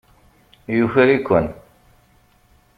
Yuker-iken.